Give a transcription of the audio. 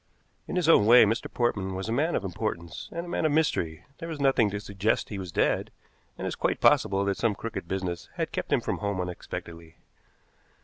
In his own way Mr. Portman was a man of importance, and a man of mystery. There was nothing to suggest he was dead, and it was quite possible that some crooked business had kept him from home unexpectedly.